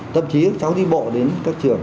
thậm chí các cháu đi bộ đến các trường